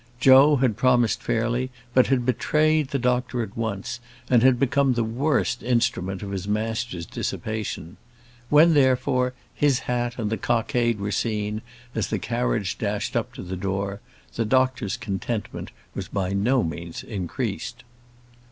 Joe had promised fairly, but had betrayed the doctor at once, and had become the worst instrument of his master's dissipation. When, therefore, his hat and the cockade were seen, as the carriage dashed up to the door, the doctor's contentment was by no means increased.